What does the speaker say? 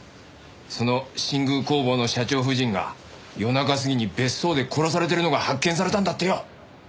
その新宮工房の社長夫人が夜中過ぎに別荘で殺されてるのが発見されたんだってよ。